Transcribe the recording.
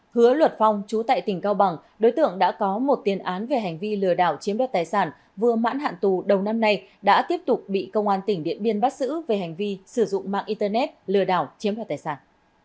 hứa luật phong trú tại tỉnh cao bằng đối tượng đã có một tiền án về hành vi lừa đảo chiếm đoạt tài sản vừa mãn hạn tù đầu năm nay đã tiếp tục bị công an tỉnh điện biên bắt xử về hành vi sử dụng mạng internet lừa đảo chiếm đoạt tài sản